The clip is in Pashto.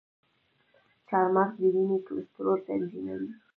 چارمغز د وینې کلسترول تنظیموي.